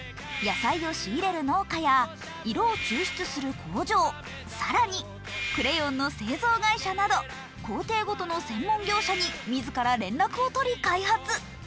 野菜を仕入れる農家や色を抽出する工場、更にクレヨンの製造業者など工程ごとの専門業者に自ら連絡を取り、開発。